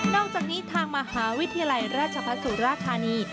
นอกจากนี้ทางมหาวิทยาลัยราชพสุรทานี